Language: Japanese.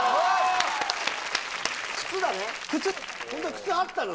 靴あったの？